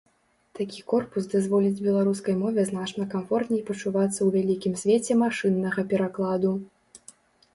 Такі корпус дазволіць беларускай мове значна камфортней пачувацца ў вялікім свеце машыннага перакладу.